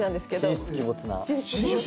神出鬼没？